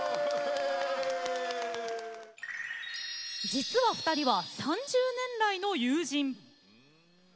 実は２人は３０年来の友人。